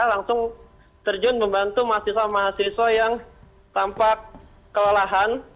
langsung terjun membantu mahasiswa mahasiswa yang tampak kelelahan